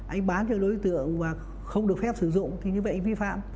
anh bán cho đối tượng và không được phép sử dụng thì như vậy anh vi phạm